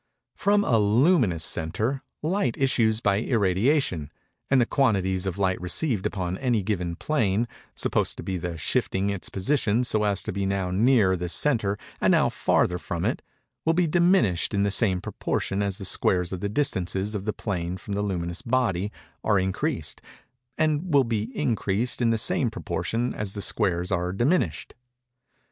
From a luminous centre, Light issues by irradiation; and the quantities of light received upon any given plane, supposed to be shifting its position so as to be now nearer the centre and now farther from it, will be diminished in the same proportion as the squares of the distances of the plane from the luminous body, are increased; and will be increased in the same proportion as these squares are diminished.